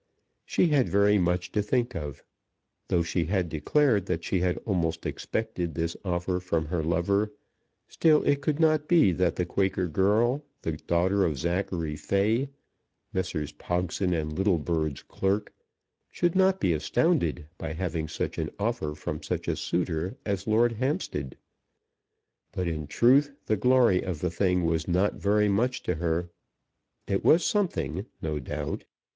She had very much to think of. Though she had declared that she had almost expected this offer from her lover, still it could not be that the Quaker girl, the daughter of Zachary Fay, Messrs. Pogson and Littlebird's clerk, should not be astounded by having such an offer from such a suitor as Lord Hampstead. But in truth the glory of the thing was not very much to her. It was something, no doubt.